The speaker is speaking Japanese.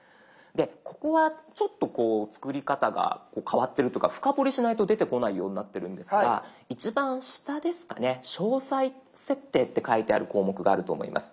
ここはちょっとこう作り方が変わってるというか深掘りしないと出てこないようになってるんですが一番下ですかね「詳細設定」って書いてある項目があると思います。